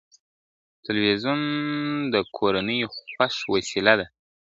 تلویزیون د کورنیو خوښ وسیله ده.